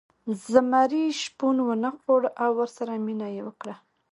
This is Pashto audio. زمري شپون ونه خوړ او ورسره مینه یې وکړه.